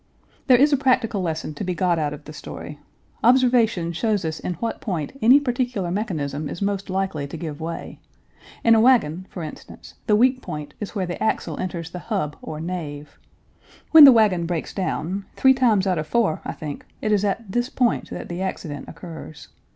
There is a practical lesson to be got out of the story. Observation shows us in what point any particular mechanism is most likely to give way. In a wagon, for instance, the weak point is where the axle enters the hub or nave. When the wagon breaks down, three times out of four, I think, it is at this point that the accident occurs.